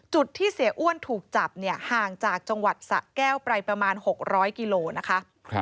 ที่เสียอ้วนถูกจับเนี่ยห่างจากจังหวัดสะแก้วไปประมาณ๖๐๐กิโลนะคะ